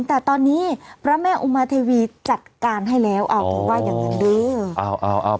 แต่ตอนนี้พระแม่อุมาเทวีจัดการให้แล้วเอาเขาว่าอย่างนั้นเด้อ